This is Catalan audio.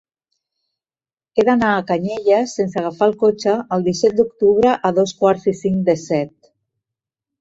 He d'anar a Canyelles sense agafar el cotxe el disset d'octubre a dos quarts i cinc de set.